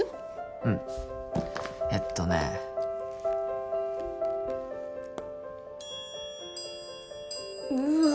うんえっとねうわ